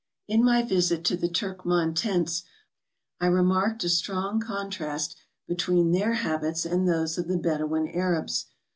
In my visit to the Turkman tents, I remarked a strong contrast between their habits and those of the Bedouin Arabs.